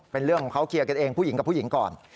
เป็นเรื่องของเขาเคลียร์กันเองผู้หญิงกับผู้หญิงก่อน